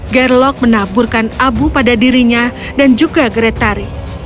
gerlok menaburkan abu pada dirinya dan juga geretari